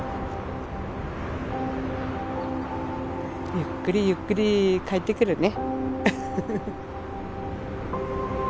ゆっくりゆっくり帰ってくるね。